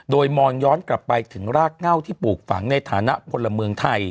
โดยมองย้อนกลับไปถึงรากเง่าที่ปลูกฝังในฐานะพลเมืองไทย